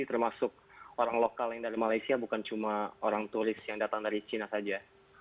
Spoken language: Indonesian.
termasuk orang lokal yang dari malaysia bukan cuma orang turis yang datang dari cina saja